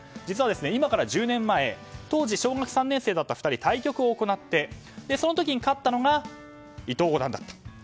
実は今から１０年前当時小学３年生だった２人が対局を行ってその時に勝ったのが伊藤五段だった。